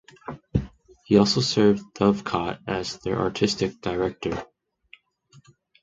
He also served Dovecot as their artistic director.